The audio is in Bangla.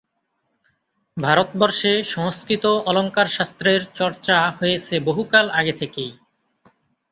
ভারতবর্ষে সংস্কৃত অলঙ্কারশাস্ত্রের চর্চা হয়েছে বহুকাল আগে থেকেই।